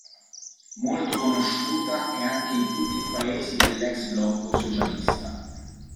Molto conosciuta è anche in tutti i Paesi dell'ex blocco socialista